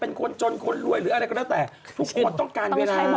ต้องใช้มอเตอร์ไซค์เหมือนกัน